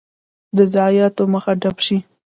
د ضایعاتو مخه ډب شي.